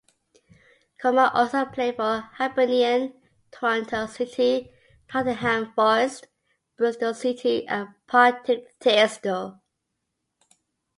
Cormack also played for Hibernian, Toronto City, Nottingham Forest, Bristol City and Partick Thistle.